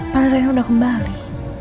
pada rina udah kembali